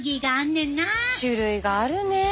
種類があるね。